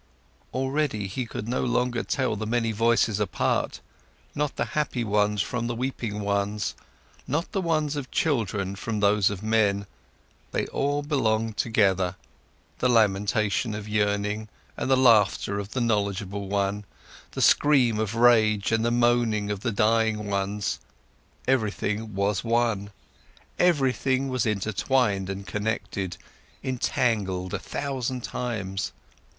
Already, he could no longer tell the many voices apart, not the happy ones from the weeping ones, not the ones of children from those of men, they all belonged together, the lamentation of yearning and the laughter of the knowledgeable one, the scream of rage and the moaning of the dying ones, everything was one, everything was intertwined and connected, entangled a thousand times.